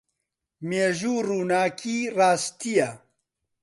مێژوو ڕووناکیی ڕاستییە.